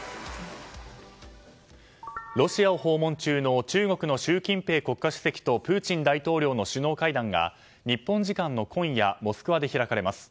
ロシアを訪問中の中国の習近平国家主席とプーチン大統領の首脳会談が日本時間の今夜モスクワで開かれます。